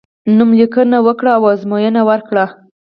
نوم لیکنه وکړی او ازموینه ورکړی.